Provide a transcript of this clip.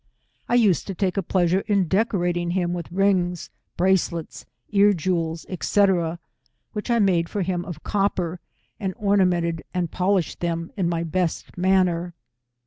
I used to take a pleasure in decorating him with rings, bracelets, ear jewels, &c. which I made for him of copper, and orna mented and polished them in my best manner.